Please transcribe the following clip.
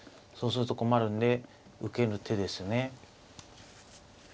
そうすると困るんで受ける手ですね。